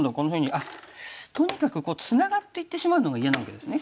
あっとにかくツナがっていってしまうのが嫌なわけですね。